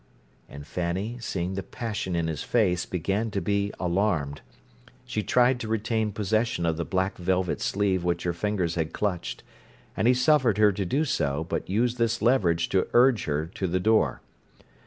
And Fanny, seeing the passion in his face, began to be alarmed. She tried to retain possession of the black velvet sleeve which her fingers had clutched, and he suffered her to do so, but used this leverage to urge her to the door.